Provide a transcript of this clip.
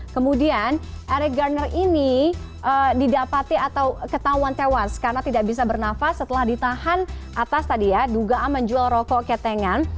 kemudian eric garner ini didapati atau ketahuan tewas karena tidak bisa bernafas setelah ditahan atas tadi ya dugaan menjual rokok ketengan